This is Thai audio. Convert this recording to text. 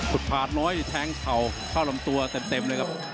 ผ่านน้อยแทงเข่าเข้าลำตัวเต็มเลยครับ